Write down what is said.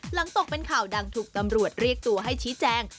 ตกเป็นข่าวดังถูกตำรวจเรียกตัวให้ชี้แจง